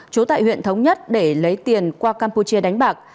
trú tại huyện thống nhất để lấy tiền qua campuchia đánh bạc